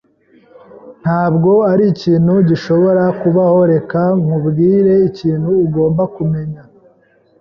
Ntabwo ari ikintu gishobora kubaho. Reka nkubwire ikintu ugomba kumenya.